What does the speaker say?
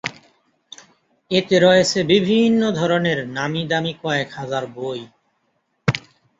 এতে রয়েছে বিভিন্ন ধরনের নামী দামী কয়েক হাজার বই।